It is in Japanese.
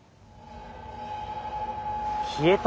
消えた？